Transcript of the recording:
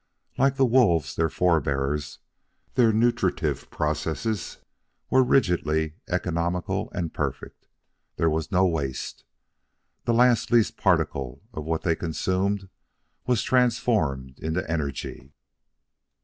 Like the wolves, their forebears, their nutritive processes were rigidly economical and perfect. There was no waste. The last least particle of what they consumed was transformed into energy.